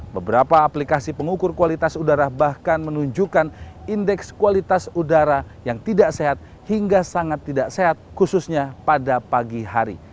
beberapa aplikasi pengukur kualitas udara bahkan menunjukkan indeks kualitas udara yang tidak sehat hingga sangat tidak sehat khususnya pada pagi hari